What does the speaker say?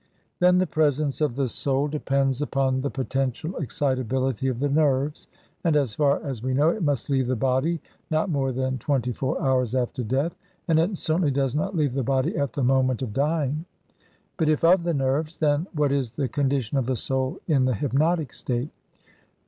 Then the presence of the soul depends upon the potential excitability of the nerves, and, as far as we know, it must leave the body not more than twenty four hours after death, and it certainly does not leave the body at the moment of dying. But if of the nerves, then what is the condition of the soul in the hypnotic state?